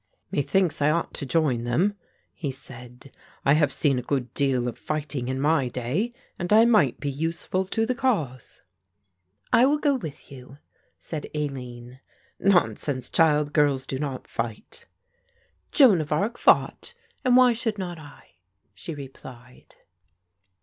"Methinks I ought to join them," he said. "I have seen a good deal of fighting in my day and I might be useful to the cause." "I will go with you," said Aline. "Nonsense, child, girls do not fight." "Joan of Arc fought and why should not I?" she replied.